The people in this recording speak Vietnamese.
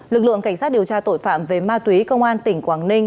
lực lượng cảnh sát điều tra tội phạm về ma túy công an tỉnh quảng ninh